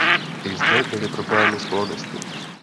I zde byly problémy s kolonisty.